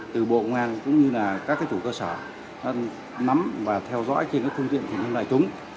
từ bộ công an cũng như là các chủ cơ sở nó nắm và theo dõi trên các thương tiện của nhân loại chúng